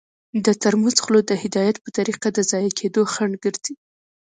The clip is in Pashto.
د ترموز خوله د هدایت په طریقه د ضایع کیدو خنډ ګرځي.